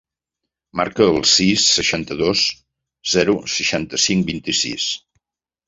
Marca el sis, seixanta-dos, zero, seixanta-cinc, vint-i-sis.